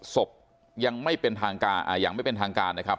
สบยังไม่เป็นทางการนะครับ